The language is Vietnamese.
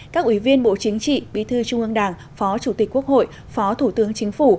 các ủy viên bộ chính trị bí thư trung ương đảng phó chủ tịch quốc hội phó thủ tướng chính phủ